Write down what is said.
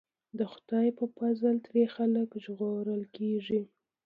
د خدای ج په فضل ترې خلک ژغورل کېږي.